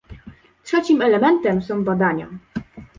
Trzecim elementem są badania